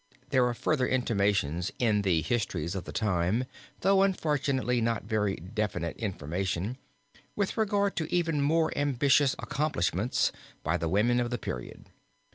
There are further intimations in the histories of the time, though unfortunately not very definite information, with regard to even more ambitious accomplishments by the women of the period.